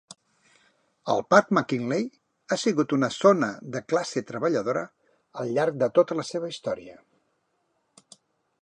El parc McKinley ha sigut una zona de classe treballadora al llarg de tota la seva història.